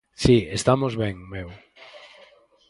Si, estamos ben, meu!